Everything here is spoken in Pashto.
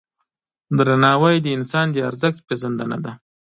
درناوی د انسان د ارزښت پیژندنه ده.